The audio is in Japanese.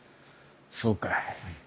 そうかい。